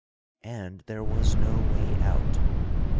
_And there was no way out!